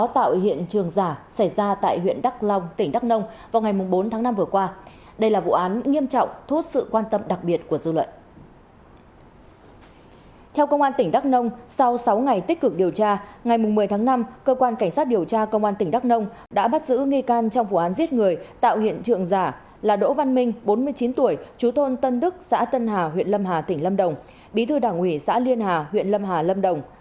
theo công an tỉnh đắk nông sau sáu ngày tích cực điều tra ngày một mươi tháng năm cơ quan cảnh sát điều tra công an tỉnh đắk nông đã bắt giữ nghi can trong vụ án giết người tạo hiện trượng giả là đỗ văn minh bốn mươi chín tuổi chú thôn tân đức xã tân hà huyện lâm hà tỉnh lâm đồng bí thư đảng ủy xã liên hà huyện lâm hà lâm đồng